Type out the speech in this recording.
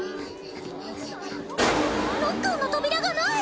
ロッカーの扉がない！